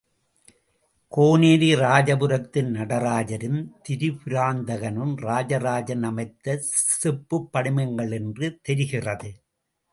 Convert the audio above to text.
கோனேரி ராஜபுரத்து நடராஜரும், திரிபுராந்தகனும் ராஜராஜன் அமைத்த செப்புப் படிமங்கள் என்று தெரிகிறது.